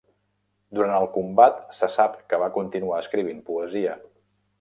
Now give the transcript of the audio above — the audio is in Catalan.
Durant el combat, se sap que va continuar escrivint poesia.